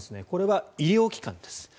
これは医療機関です。